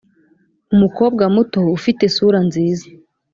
umukobwa muto ufite isura nziza